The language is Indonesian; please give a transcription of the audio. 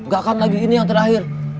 gak akan lagi ini yang terakhir